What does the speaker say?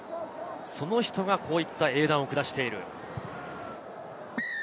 その人がこういった英断を下している。